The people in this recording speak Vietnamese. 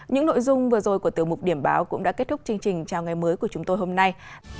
những nội dung vừa rồi của từ mục điểm báo cũng đã kết thúc chương trình chào ngày mới của chúng tôi hôm nay